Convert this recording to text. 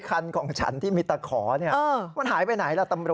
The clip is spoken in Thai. คันของฉันที่มีตะขอมันหายไปไหน